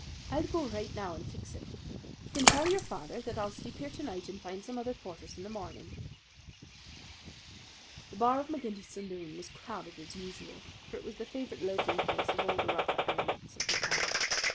"I'll go right now and fix it. You can tell your father that I'll sleep here to night and find some other quarters in the morning." The bar of McGinty's saloon was crowded as usual; for it was the favourite loafing place of all the rougher elements of the town.